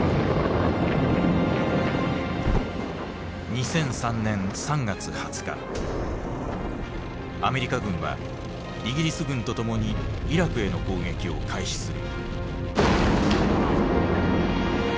２００３年３月２０日アメリカ軍はイギリス軍とともにイラクへの攻撃を開始する。